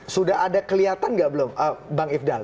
sudah ada kelihatan nggak belum bang ifdal